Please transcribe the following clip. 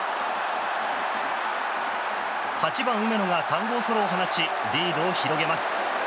８番、梅野が３号ソロを放ちリードを広げます。